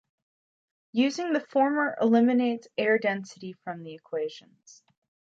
Using the former eliminates air density from the equations.